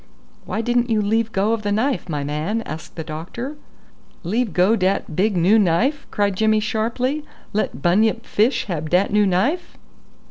"Why didn't you leave go of the knife, my man?" said the doctor. "Leave go dat big noo knife?" cried Jimmy sharply. "Let bunyip fis have dat noo knife?"